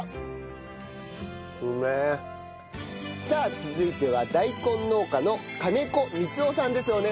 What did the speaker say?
さあ続いては大根農家の金子光夫さんです。